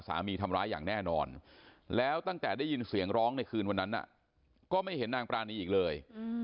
เสียงร้องในคืนวันนั้นก็ไม่เห็นนางปรานีอีกเลย